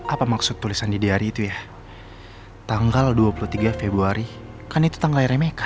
apa maksud tulisan di diari itu ya tanggal dua puluh tiga februari kan itu tanggal lahirnya mereka